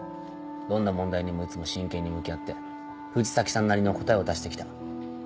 どんな問題にもいつも真剣に向き合って藤崎さんなりの答えを出してきた。